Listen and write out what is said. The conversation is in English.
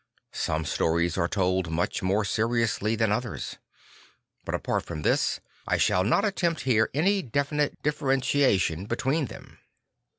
Some stories are told much more seriously than others. But apart from this, I shall not attempt here any definite differentiation between them.